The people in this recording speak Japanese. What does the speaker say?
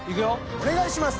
お願いします！